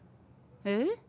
えっ？